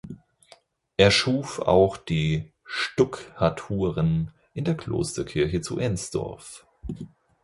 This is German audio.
Er schuf auch die Stuckaturen in der Klosterkirche zu Ensdorf.